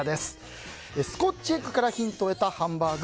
スコッチエッグからヒントを得たハンバーグ